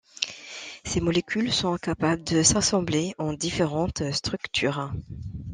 Ces molécules sont capables de s'assembler en différentes structures.